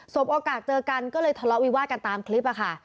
โอกาสเจอกันก็เลยทะเลาะวิวาดกันตามคลิปค่ะ